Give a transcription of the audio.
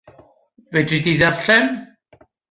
Fedri di ddarllen?